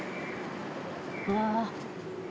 うわ。